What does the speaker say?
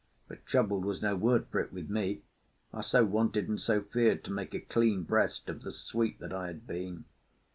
But troubled was no word for it with me. I so wanted, and so feared, to make a clean breast of the sweep that I had been.